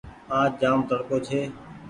آج جآم تڙڪو ڇي